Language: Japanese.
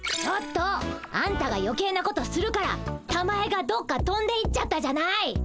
ちょっとあんたがよけいなことするからたまえがどっかとんでいっちゃったじゃない！